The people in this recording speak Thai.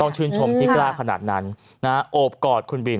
ชื่นชมที่กล้าขนาดนั้นโอบกอดคุณบิน